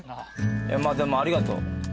まあでもありがとう。